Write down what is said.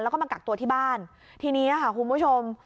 แล้วก็มากักตัวที่บ้านทีนี้ค่ะคุณผู้ชม